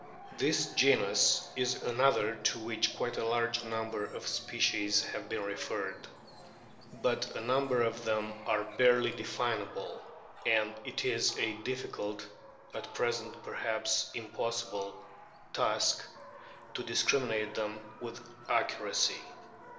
This genus is another to which quite a large number of species have been referred. But a number of them are barely definable, and it is a difficult at present perhaps impossible task to discriminate them with accuracy.